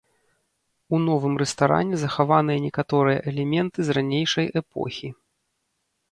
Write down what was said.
У новым рэстаране захаваныя некаторыя элементы з ранейшай эпохі.